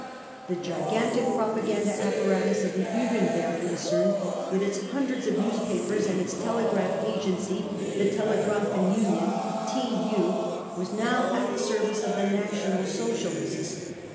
The gigantic propaganda apparatus of the Plugenberg concern, with its hundreds of newspapers and its telegraph agency, the Telegrafen Union (TU), was now at the sendee of the National Socialists.